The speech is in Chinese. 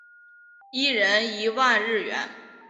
一人一万日元